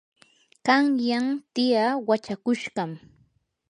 qanyan tiyaa wachakushqam.